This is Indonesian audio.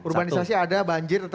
urbanisasi ada banjir tetap ada